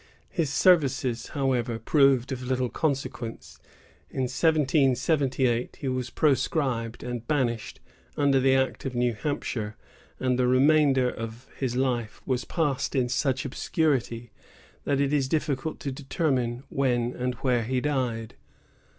His services, however, proved of little consequence. In 1778, he was proscribed and banished, under the act of New Hampshire, and the remainder of his life was passed in such obscurity that it is difficult to determine when and where he died.